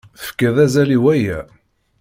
Tefkid azal i waya.